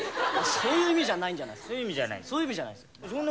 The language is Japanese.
そういう意味じゃないんじゃそういう意味じゃないの？